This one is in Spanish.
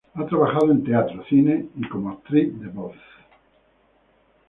Ha trabajado en teatro, cine y como actriz de voz.